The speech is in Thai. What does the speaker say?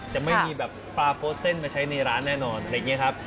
จะไม่มีแบบปลาโฟสเส้นมาใช้ในร้านแน่นอนอะไรอย่างนี้ครับ